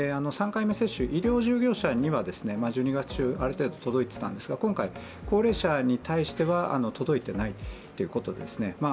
３回目接種、医療従事者には１２月中ある程度、届いていたんですが今回、高齢者に対しては届いていないということですね。